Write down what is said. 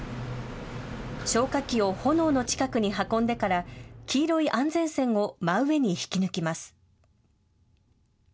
消火器を炎の近くに運んでから黄色い安全栓を真上に引き抜きます。